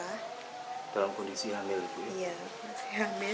dalam kondisi hamil